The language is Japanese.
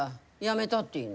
めだっていいの。